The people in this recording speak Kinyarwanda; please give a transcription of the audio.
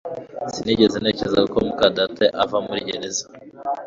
Sinigeze ntekereza ko muka data ava muri gereza